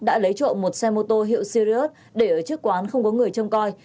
đã lấy trộm một xe mô tô hiệu sirius để ở trước quán không có người trông coi